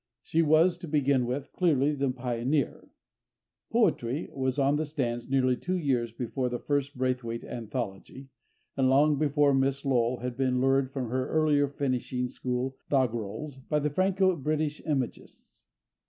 She was, to begin with, clearly the pioneer. Poetry was on the stands nearly two years before the first Braithwaite anthology, and long before Miss Lowell had been lured from her earlier finishing school doggerels by the Franco British Imagists.